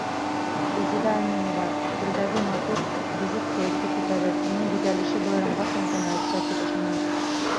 Резеда ӘМИНЕВА, Өҫтәлдәге матур ризыҡ кәйефте күтәрер, уның биҙәлеше байрамға тантана өҫтәр тип ышанам.